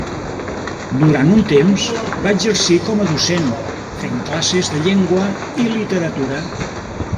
Durant un temps va exercir com a docent fent classes de llengua i literatura.